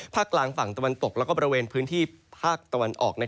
กลางฝั่งตะวันตกและบริเวณพื้นที่ภาคตะวันออก